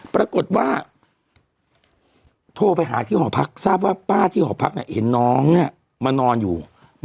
ปรากฏว่าโทรไปหาที่หอพักทราบว่าป้าที่หอพักเห็นน้องเนี่ยมานอนอยู่